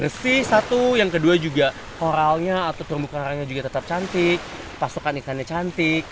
bersih satu yang kedua juga oralnya atau terumbu karangnya juga tetap cantik pasokan ikannya cantik